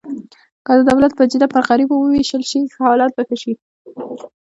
که د دولت بودیجه پر غریبو ووېشل شي، حالت به ښه شي.